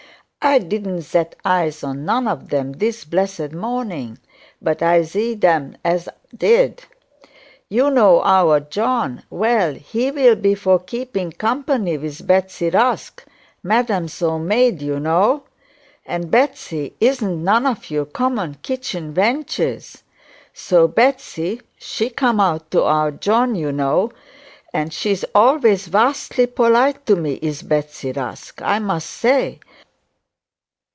'I didn't set eyes on none of them this blessed morning, but I zee'd them as did. You know our John; well, he will be for keeping company with Betsey Rusk, madam's own maid, you know. And Betsey isn't one of your common kitchen wenches. So Betsey, she come out to our John, you know, and she's always vastly polite to me, is Betsey Rusk, I must say.